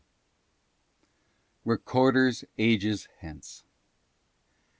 (6) "RECORDERS AGES HENCE."